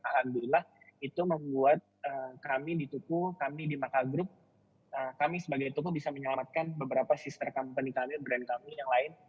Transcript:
alhamdulillah itu membuat kami di tuku kami di maka group kami sebagai toko bisa menyelamatkan beberapa sister company kami brand kami yang lain